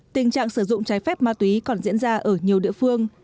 tình trạng sử dụng trái phép ma túy còn diễn ra ở nhiều địa phương